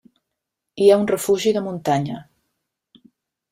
Hi ha un refugi de muntanya.